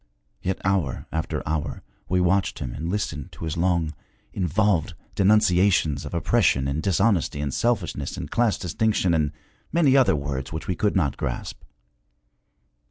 Yet hour after hour we watched him and listened to his long, involved denunciations of oppression and dishonesty and selfishness and class distinction and many other long words which we could not grasp.